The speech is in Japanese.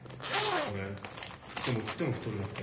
俺食っても食っても太れなくて。